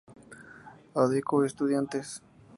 Adecco Estudiantes.